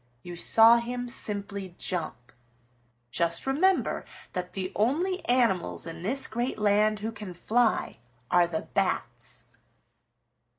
You saw him simply jump. Just remember that the only animals in this great land who can fly are the Bats.